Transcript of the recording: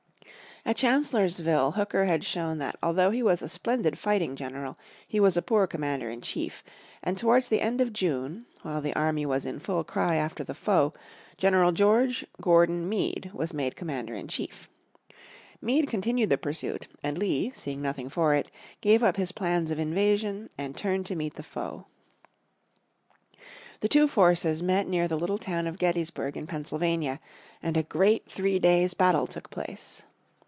At Chancellorsville Hooker had shown that although he was a splendid fighting general he was a poor commander in chief, and towards the end of June, while the army was in full cry after the foe, General George Gordon Meade was made commander in chief. Meade continued the pursuit, and Lee, seeing nothing for it, gave up his plans of invasion, and turned to meet the foe. The two forces met near the little town of Gettysburg in Pennsylvania, and a great three days' battle took place.